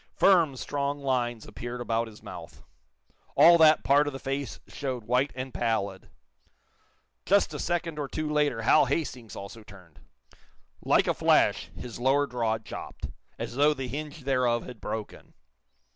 Firm, strong lines appeared about his mouth. All that part of the face showed white and pallid. Just a second or two later Hal Hastings also turned. Like a flash his lower jaw dropped, as though the hinge thereof had broken.